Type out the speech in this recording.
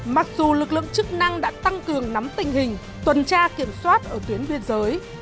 mặc dù lực lượng chức năng đã tăng cường nắm tình hình tuần tra kiểm soát ở tuyến biên giới